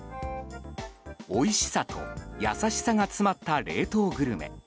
おいしさと優しさが詰まった冷凍グルメ。